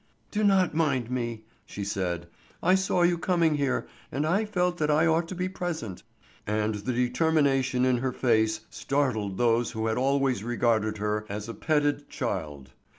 "Do not mind me," she said. "I saw you coming here, and I felt that I ought to be present." And the determination in her face startled those who had always regarded her as a petted child.